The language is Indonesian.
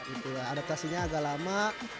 gitu ya adaptasinya agak lama